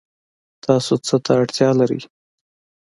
تاسو څه ته اړتیا لرئ؟